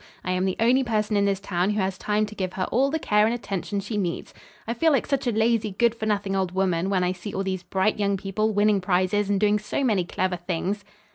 I am the only person in this town who has time to give her all the care and attention she needs. I feel like such a lazy, good for nothing old woman when I see all these bright young people winning prizes and doing so many clever things."